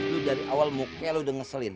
lu dari awal mukanya lo udah ngeselin